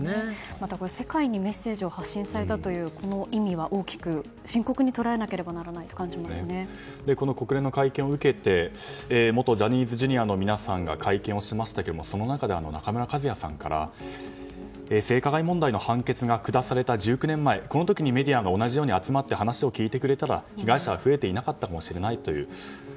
また世界にメッセージを発信されたというこの意味は、大きく深刻に捉えなければならないと国連の会見を受けて元ジャニーズＪｒ．の皆さんが会見をしましたがその中で中村一也さんから性加害問題の判決が下された１９年前この時にメディアが同じように集まって話を聞いてくれたら被害者は増えていなかったかもしれないという。